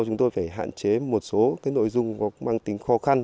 chúng tôi phải hạn chế một số cái nội dung có mang tính khó khăn